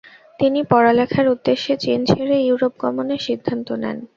তিনি পড়ালেখার উদ্দেশ্যে চীন ছেড়ে ইউরোপ গমনের সিদ্ধান্ত নেন।